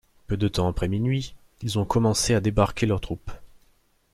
Peu de temps après minuit, ils ont commencé à débarquer leurs troupes.